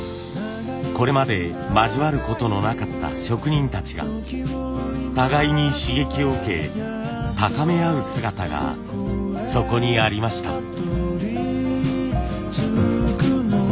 これまで交わることのなかった職人たちが互いに刺激を受け高め合う姿がそこにありました。